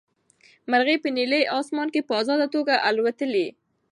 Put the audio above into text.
مرغۍ په نیلي اسمان کې په ازاده توګه الوتلې.